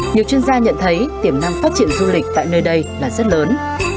nhiều chuyên gia nhận thấy tiềm năng phát triển du lịch tại nơi đây là rất lớn